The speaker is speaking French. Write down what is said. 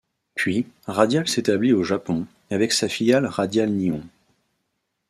Puis, Radiall s'établit au Japon, avec sa filiale Radiall Nihon.